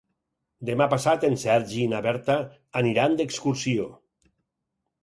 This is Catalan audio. Demà passat en Sergi i na Berta aniran d'excursió.